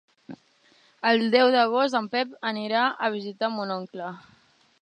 El deu d'agost en Pep anirà a visitar mon oncle.